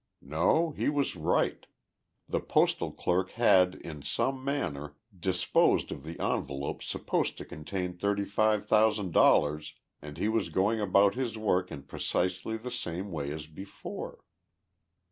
No, he was right. The postal clerk had, in some manner, disposed of the envelope supposed to contain thirty five thousand dollars and he was going about his work in precisely the same way as before.